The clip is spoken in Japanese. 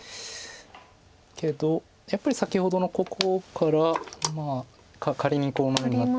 けどやっぱり先ほどのここからまあ仮にこのようになって。